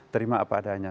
terima apa adanya